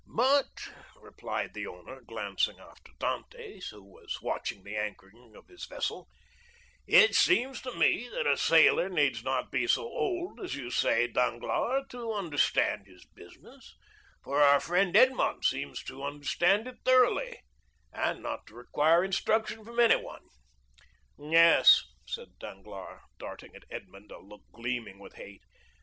"But," replied the owner, glancing after Dantès, who was watching the anchoring of his vessel, "it seems to me that a sailor needs not be so old as you say, Danglars, to understand his business, for our friend Edmond seems to understand it thoroughly, and not to require instruction from anyone." "Yes," said Danglars, darting at Edmond a look gleaming with hate.